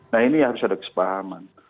nah ini harus ada kesepahaman